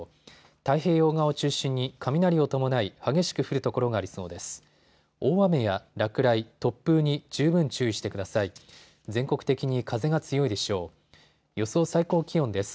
太平洋側を中心に雷を伴い、激しく降る所がありそうです。